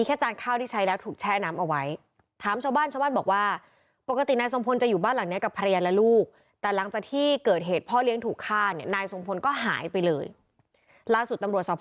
ก็คือแบบตายแบบไม่มีใครรู้เลยอะ